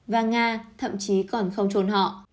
và nga thậm chí còn không trốn họ